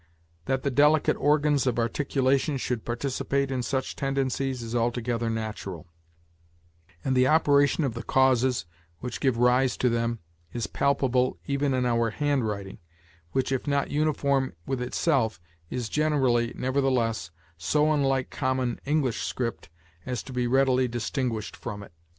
That the delicate organs of articulation should participate in such tendencies is altogether natural; and the operation of the causes which give rise to them is palpable even in our handwriting, which, if not uniform with itself, is generally, nevertheless, so unlike common English script as to be readily distinguished from it.